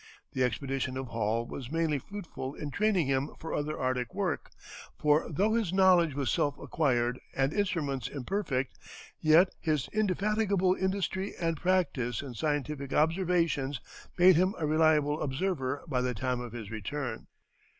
The expedition of Hall was mainly fruitful in training him for other Arctic work, for though his knowledge was self acquired and instruments imperfect, yet his indefatigable industry and practice in scientific observations made him a reliable observer by the time of his return.